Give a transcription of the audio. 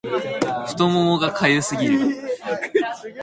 太ももが痒すぎる